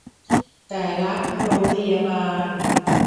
แต่ละโรงพยาบาล